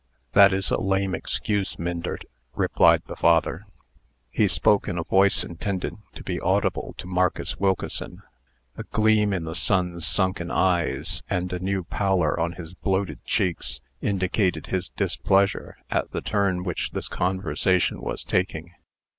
"That is a lame excuse, Myndert," replied the father. He spoke in a voice intended to be audible to Marcus Wilkeson. A gleam in the son's sunken eyes, and a new pallor on his bloated cheeks, indicated his displeasure at the turn which this conversation was taking.